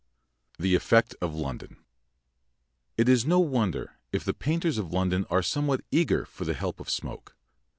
THE EFFECT OF LONDON It is no wonder if the painters of London are somewhat eager for the help of smoke.